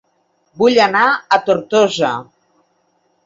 Vull anar a Tortosa